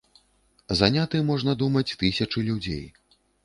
Заняты, можна думаць, тысячы людзей.